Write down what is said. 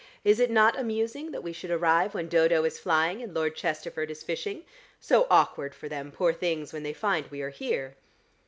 Is it not amusing that we should arrive when Dodo is flying and Lord Chesterford is fishing? So awkward for them, poor things, when they find we are here."